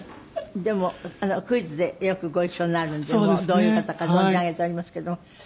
でもクイズでよくご一緒になるんでもうどういう方か存じ上げておりますけども。